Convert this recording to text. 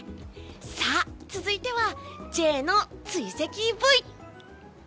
さあ、続いてはＪの追跡ブイ！